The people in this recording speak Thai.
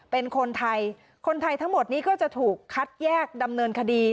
เป็นคนไทยคนไทยทั้งหมดนี้ก็จะถูกคัดแยกดำเนินคดี